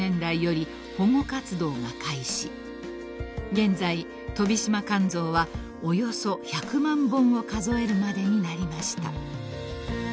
［現在トビシマカンゾウはおよそ１００万本を数えるまでになりました］